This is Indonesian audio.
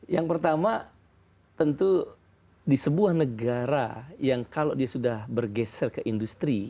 yang pertama tentu di sebuah negara yang kalau dia sudah bergeser ke industri